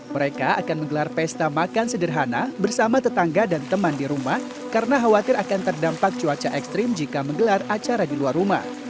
mereka akan menggelar pesta makan sederhana bersama tetangga dan teman di rumah karena khawatir akan terdampak cuaca ekstrim jika menggelar acara di luar rumah